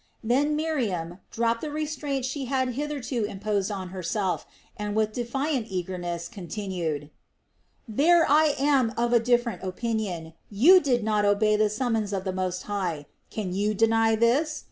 Then Miriam dropped the restraint she had hitherto imposed on herself and, with defiant eagerness, continued: "There I am of a different opinion. You did not obey the summons of the Most High. Can you deny this?